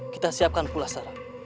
kita siapkan pulasara